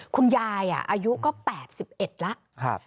คุณยายอายุก็๘๑แล้ว